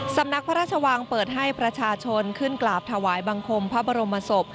สำนักพระราชวังเปิดให้ประชาชนขึ้นกราบถวายบังคมพระบรมศพ